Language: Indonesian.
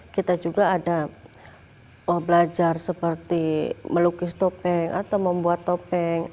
kita juga ada belajar seperti melukis topeng atau membuat topeng